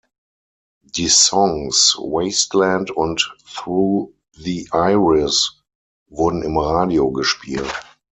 Die Songs "Wasteland" und "Through the Iris" wurden im Radio gespielt.